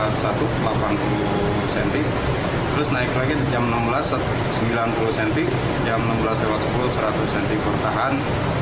terus naik lagi jam enam belas sembilan puluh cm jam enam belas sepuluh seratus cm bertahan